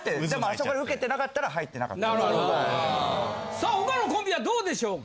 さあ他のコンビはどうでしょうか？